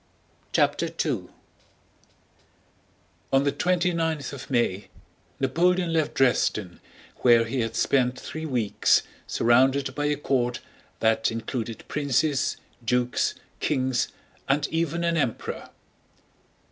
CHAPTER II On the twenty ninth of May Napoleon left Dresden, where he had spent three weeks surrounded by a court that included princes, dukes, kings, and even an emperor.